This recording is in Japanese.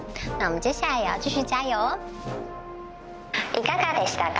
いかがでしたか？